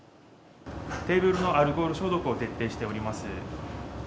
テーブルのアルコール消毒を徹底しております。